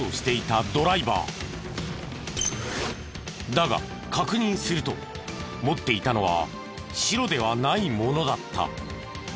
だが確認すると持っていたのは白ではないものだった。